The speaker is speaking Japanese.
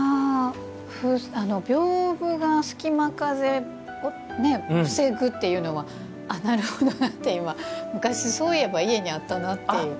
びょうぶが隙間風を防ぐというのはなるほどなって、今昔、そういえば家にあったなという。